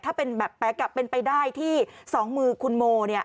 ถ้าเป็นแบบแป๊กเป็นไปได้ที่สองมือคุณโมเนี่ย